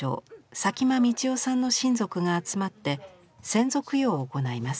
佐喜眞道夫さんの親族が集まって先祖供養を行います。